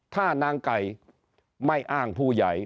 ถ้านางไก่ไม่อ้างผู้ใหญ่